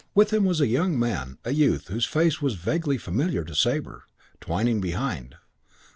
With him was a young man, a youth, whose face was vaguely familiar to Sabre; Twyning behind.